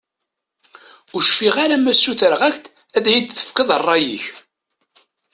Ur cfiɣ ara ma ssutreɣ-ak-d ad iyi-d-tefkeḍ rray-ik.